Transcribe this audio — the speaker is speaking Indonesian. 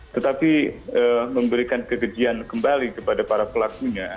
tetapi memberikan kebencian kembali kepada para pelakunya